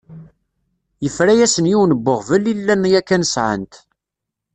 Yefra-asen yiwen n uɣbel i llan yakan sεan-t.